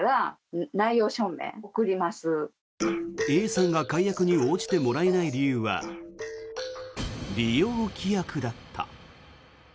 Ａさんが解約に応じてもらえない理由は利用規約だった。